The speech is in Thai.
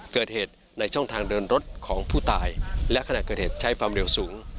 เกิดเหตุในช่องทางเดินรถของผู้ตายและขณะเกิดเหตุใช้ความเร็วสูง